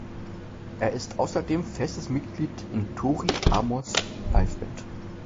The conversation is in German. Er ist außerdem festes Mitglied in Tori Amos´ Liveband.